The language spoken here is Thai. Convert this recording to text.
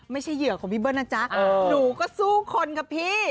ไม่ใช่เหยื่อของพี่เบิ้ลนะจ๊ะหนูก็สู้คนกับพี่